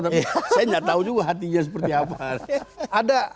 tapi saya nggak tahu juga hatinya seperti apa